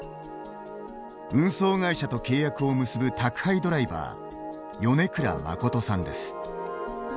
運送会社と契約を結ぶ宅配ドライバー米倉誠さんです。